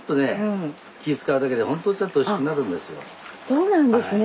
そうなんですね。